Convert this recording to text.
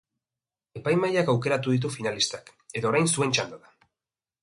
Epaimahaiak aukeratu ditu finalistak, eta orain zuen txanda da.